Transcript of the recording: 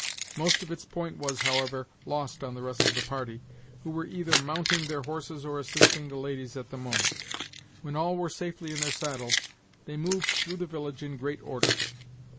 Most of its point was, however, lost on the rest of the party, who were either mounting their horses or assisting the ladies at the moment. When all were safely in their saddles, they moved through the village in great order.